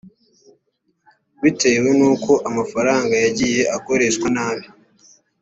bitewe n uko amafaranga yagiye akoreshwa nabi